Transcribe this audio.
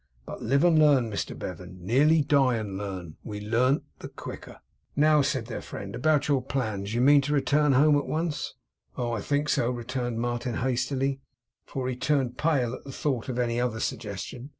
'But live and learn, Mr Bevan! Nearly die and learn; we learn the quicker.' 'Now,' said their friend, 'about your plans. You mean to return home at once?' 'Oh, I think so,' returned Martin hastily, for he turned pale at the thought of any other suggestion.